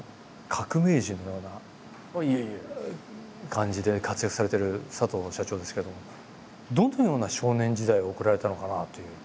感じで活躍されてる佐藤社長ですけどもどのような少年時代を送られたのかなという。